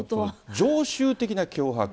常習的な脅迫。